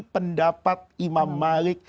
pendapat imam malik